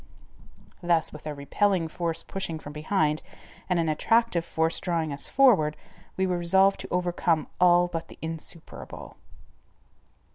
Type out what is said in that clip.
Thus with a repelling force pushing from behind and an attractive force drawing us forward, we were resolved to overcome all but the insuperable.